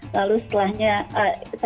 lalu setelahnya saya